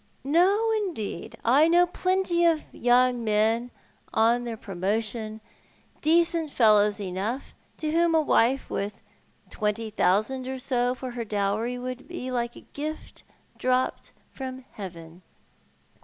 " No, indeed. I know plenty of young men on their promo tion, decent fellows enough, to whom a wife with twenty thousand or so for her dowry would be like a gift dropped from heaven.